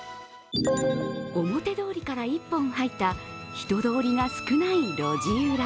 表通りから一本入った人通りが少ない路地裏。